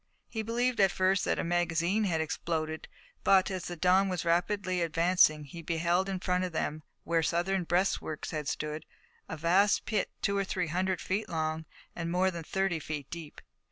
He believed at first that a magazine had exploded, but, as the dawn was rapidly advancing, he beheld in front of them, where Southern breastworks had stood, a vast pit two or three hundred feet long and more than thirty feet deep.